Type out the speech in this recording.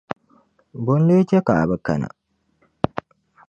Bo n-lee che ka a bi kana?